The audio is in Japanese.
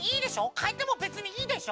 かえてもべつにいいでしょ？